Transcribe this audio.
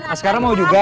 askaranya mau juga